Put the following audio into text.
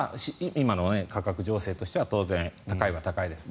今の価格情勢としては当然、高いは高いです。